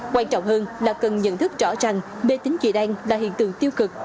quan trọng hơn là cần nhận thức rõ ràng bê tính dị đoan là hiện tượng tiêu cực